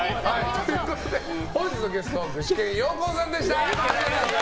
ということで本日のゲストは具志堅用高さんでした。